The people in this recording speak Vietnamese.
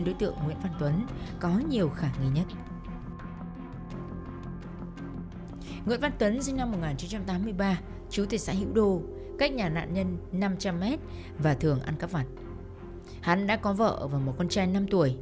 được cơ quan công an đưa vào tầm ngắm